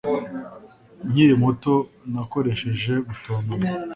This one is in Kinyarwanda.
Nkiri muto Nakoresheje gutontoma